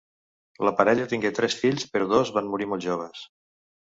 La parella tingué tres fills, però dos van morir molt joves.